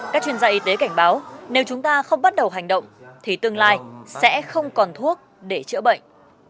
các chuyên gia y tế cảnh báo nếu chúng ta không bắt đầu hành động thì tương lai sẽ không còn thuốc để chữa bệnh